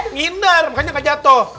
ngindar makanya gak jatoh